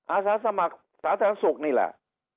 อาสาสมัครสาธารณสุขนี่แหละ